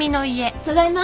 ただいま。